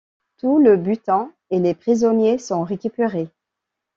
Tout le butin et les prisonniers sont récupérés.